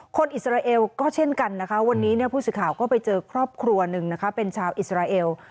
อิสราเอลก็เช่นกันนะคะวันนี้ผู้สื่อข่าวก็ไปเจอครอบครัวหนึ่งนะคะเป็นชาวอิสราเอล